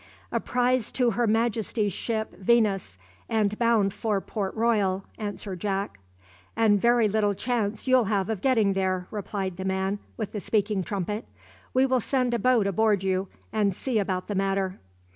"A prize to Her Majesty's ship `Venus,' and bound for Port Royal," answered Jack. "And very little chance you'll have of getting there," replied the man with the speaking trumpet, "We will send a boat aboard you and see about the matter."